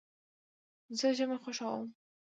زه ژمی خوښوم.